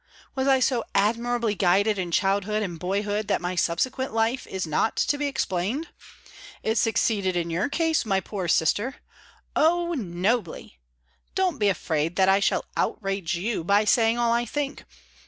Was I so admirably guided in childhood and boyhood that my subsequent life is not to be explained? It succeeded in your case, my poor sister. Oh, nobly! Don't be afraid that I shall outrage you by saying all I think.